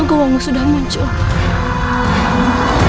kamu sudah muncul